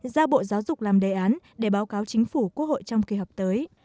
ra bộ giáo dục làm đề án để báo cáo chính phủ quốc hội trong khi học tới